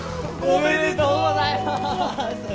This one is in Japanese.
おめでとうございます！